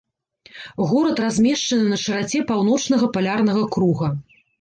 Горад размешчаны на шыраце паўночнага палярнага круга.